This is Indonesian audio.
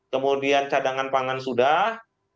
kemudian cadangan pangan sudah